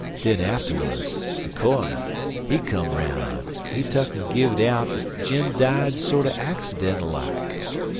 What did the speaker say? Den atterwuds, de ker'ner, he come 'roun', an' he tuck'n gin it out dat Jim died sorter accidental like.